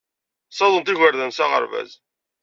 Ssawaḍent igerdan s aɣerbaz.